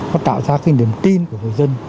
nó tạo ra cái niềm tin của người dân